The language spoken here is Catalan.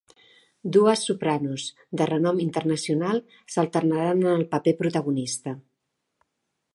Dues sopranos de renom internacional s’alternaran en el paper protagonista.